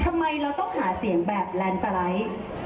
ทำไมเราต้องหาเสียงแบบแลนด์สไลด์